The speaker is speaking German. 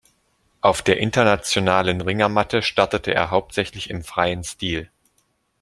Auf der internationalen Ringermatte startete er hauptsächlich im freien Stil.